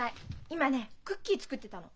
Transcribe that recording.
今ねクッキー作ってたの。